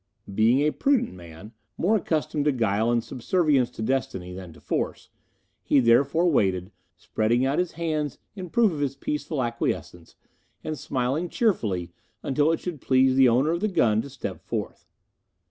Being a prudent man, more accustomed to guile and subservience to destiny than to force, he therefore waited, spreading out his hands in proof of his peaceful acquiescence, and smiling cheerfully until it should please the owner of the weapon to step forth.